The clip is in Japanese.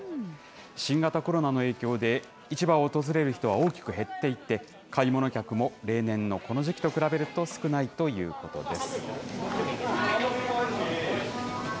新型コロナの影響で、市場を訪れる人は大きく減っていて、買い物客も例年のこの時期と比べると少ないということです。